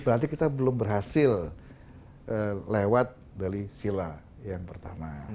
berarti kita belum berhasil lewat dari sila yang pertama